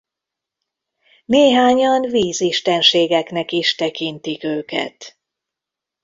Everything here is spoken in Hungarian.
Néhányan víz istenségeknek is tekintik őket.